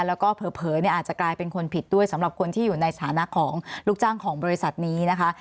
แล้วก็เผลอเนี่ยอาจจะกลายเป็นคนผิดด้วยสำหรับคนที่อยู่ในสถานะของลูกจ้างของบริษัทนี้นะคะ